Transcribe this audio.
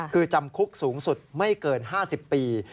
คือจำคุกสูงสุดไม่เกิน๕๐ปี